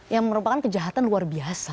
yang merupakan kejahatan luar biasa